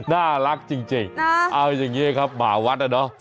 น่ารักจริงเอาอย่างนี้ครับหมาวัดน่ะเนอะ